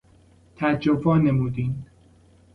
تعجب وانمودین